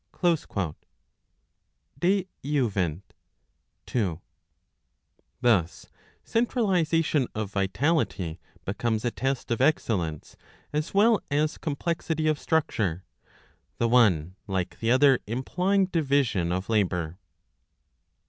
^ Thus ^ centralisation of vitality^ becomes a test of excellence as well as com plexity of structure, the one like the other implying division of labour.